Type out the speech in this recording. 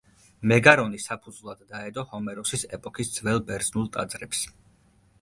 მეგარონი საფუძვლად დაედო ჰომეროსის ეპოქის ძველ ბერძნულ ტაძრებს.